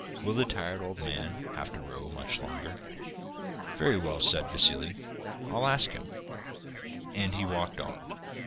Will the tired old man have to row much longer?"' 'Very well,' said Vassili; 'I'll ask him.' And he walked on.